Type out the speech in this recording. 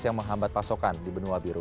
yang menghambat pasokan di benua biru